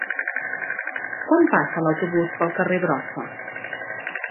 Quan passa l'autobús pel carrer Brossa?